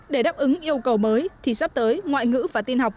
để đáp ứng yêu cầu mới thì sắp tới ngoại ngữ và tin học